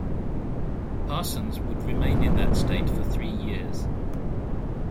Parsons would remain in that state for three years.